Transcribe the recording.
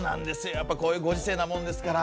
やっぱこういうご時世なもんですから。